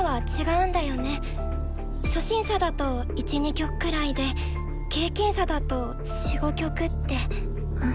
初心者だと１２曲くらいで経験者だと４５曲って。